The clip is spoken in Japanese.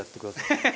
ハハハハ！